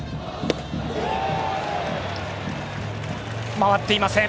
回っていません。